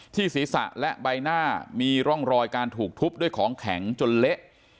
ศีรษะและใบหน้ามีร่องรอยการถูกทุบด้วยของแข็งจนเละ